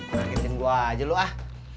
bangkitin gue aja lu ah